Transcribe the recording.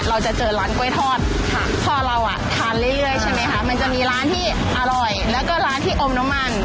เราจะเจอร้านกล้วยทอดค่ะพอเราอ่ะทานเรื่อยใช่ไหมคะมันจะมีร้านที่อร่อยแล้วก็ร้านที่อมน้ำมัน